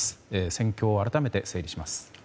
戦況を改めて整理します。